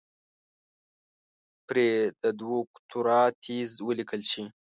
پرې د دوکتورا تېزس وليکل شي.